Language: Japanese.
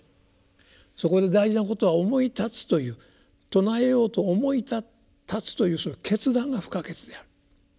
そこで大事なことは思い立つという称えようと思い立つというその決断が不可欠である。